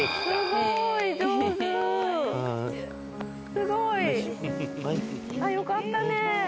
すごい！よかったね